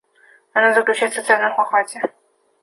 Она заключается в социальном охвате.